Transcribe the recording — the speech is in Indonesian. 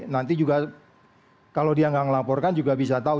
nanti juga kalau dia nggak melaporkan juga bisa tahu